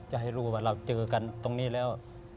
จะให้รู้ว่าเราเจอกันตรงนี้แล้ว